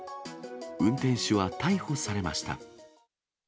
運転手は逮捕されました。